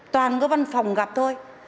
toàn có văn phòng gặp thôi